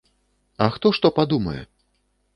А хто што падумае?